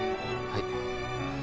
はい。